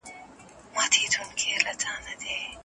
که موږ يو موټی سو نو هېواد به ودان کړو.